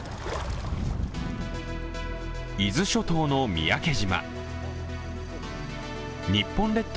伊豆諸島の三宅島。